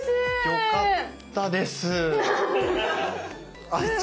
よかったです。